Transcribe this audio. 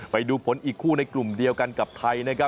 ไปดูผลอีกคู่ในกลุ่มเดียวกันกับไทยนะครับ